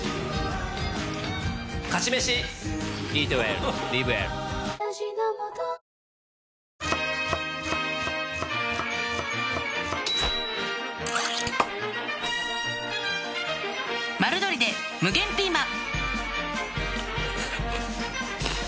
「勝ち飯」「丸鶏」で無限ピーマン！